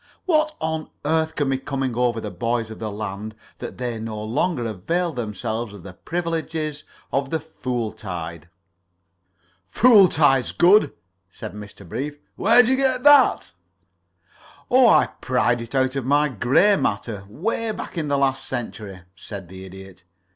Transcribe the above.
What on earth can be coming over the boys of the land that they no longer avail themselves of the privileges of the fool tide?" "Fool tide's good," said Mr. Brief. "Where did you get that?" "Oh, I pried it out of my gray matter 'way back in the last century," said the Idiot.